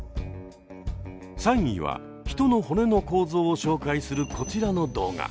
３位は人の骨の構造を紹介するこちらの動画。